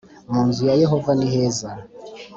mu nzu ya Yehova niheza